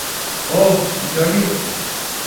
ওহ, Johnny.